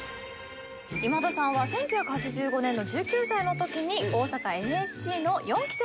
今田さんは１９８５年の１９歳の時に大阪ＮＳＣの４期生として入学しまして。